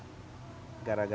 inflasi dan juga